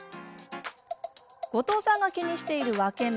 後藤さんが気にしている分け目。